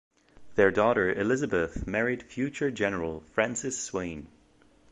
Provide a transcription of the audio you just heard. Their daughter Elisabeth married future general Francis Swaine.